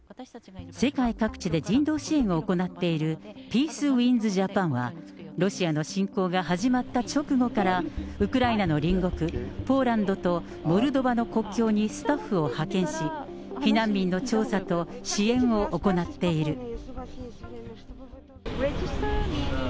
世界各地で人道支援を行っているピースウィンズ・ジャパンは、ロシアの侵攻が始まった直後から、ウクライナの隣国ポーランドとモルドバの国境にスタッフを派遣し、避難民の調査と、支援を行っている。